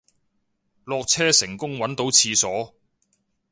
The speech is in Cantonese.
落車成功搵到廁所